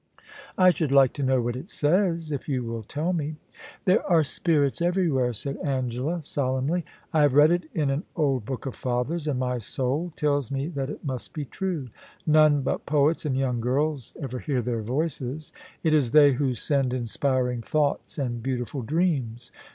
' I should like to know what it says, if you will tell me.' ' There are spirits everywhere,' said Angela, solemnly ;* I have read it in an old book of father's, and my soul tells me that it must be true. None but poets and young girls ever hear their voices. It is they who send inspiring thoughts and beautiful dreams.